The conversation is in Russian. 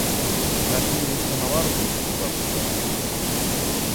Наш милый самовар будет в восторге.